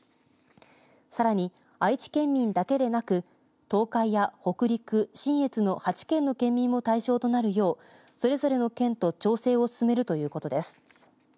さらに愛知県民だけでなく東海や北陸信越の８県の県民も対象となるよう、それぞれの県と調整を進めるということです。